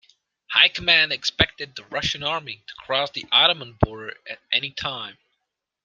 High Command expected the Russian Army to cross the Ottoman border at any time.